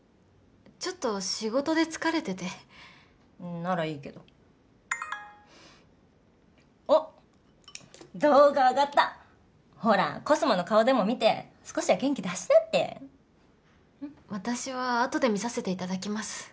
ちょっと仕事で疲れててならいいけどおっ動画あがったほらコスモの顔でも見て少しは元気出しなって私はあとで見させて頂きます